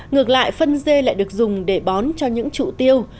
ngược lại phân dê lại được dùng để bón cho những trụ tiêu